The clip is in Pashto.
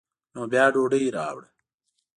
نو بیا ډوډۍ راوړه.